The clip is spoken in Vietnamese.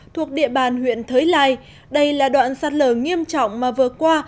thuộc địa bàn huyện thới lai đây là đoạn sạt lở nghiêm trọng mà vừa qua